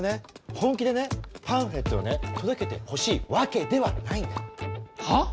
本気でねパンフレットをね届けてほしいわけではないんだ。はあ？